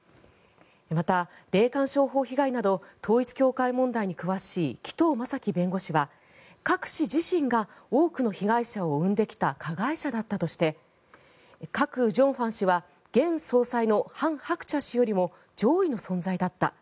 また、霊感商法被害など統一教会問題に詳しい紀藤正樹弁護士はカク氏自身が多くの被害者を生んできた加害者だったとしてカク・ジョンファン氏は現総裁のハン・ハクチャ氏よりも上位の存在だった。